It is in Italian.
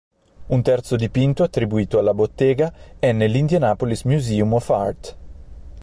Un terzo dipinto, attribuito alla bottega, è nell'Indianapolis Museum of Art.